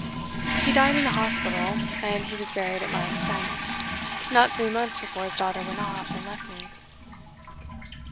He died in a hospital, and he was buried at my expense not three months before his daughter went off and left me.